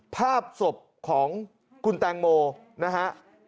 ภาพศพของคุณแตงโมนะฮะ